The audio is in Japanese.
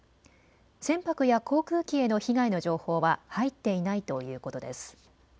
船舶や航空機への被害の情報は入っていないということです。